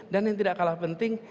dan yang tidak kalah penting